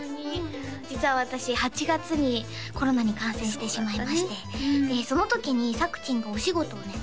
実は私８月にコロナに感染してしまいましてでその時にさくちんがお仕事をね